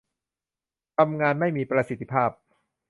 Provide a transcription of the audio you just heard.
ทำงานไม่มีประสิทธิภาพ